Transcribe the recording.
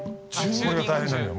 これが大変なのよ